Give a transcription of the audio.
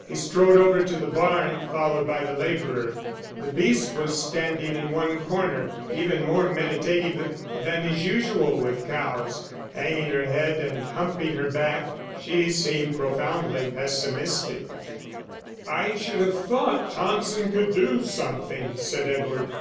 He strode over to the barn, followed by the labourer. The beast was standing in one corner, even more meditative than is usual with cows, hanging her head and humping her back. She seemed profoundly pessimistic. "I should have thought Thompson could do something," said Edward.